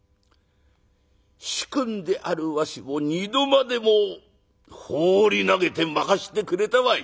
主君であるわしを二度までも放り投げて負かしてくれたわい。